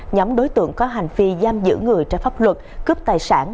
nhóm đối tượng có hành vi giam giữ người trái pháp luật cướp tài sản